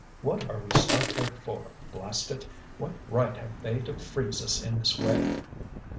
"What are we stuck here for, blast it? What right have they to freeze us in this way?"